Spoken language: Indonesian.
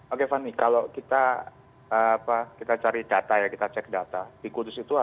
oke fanny kalau kita cari data ya kita cek data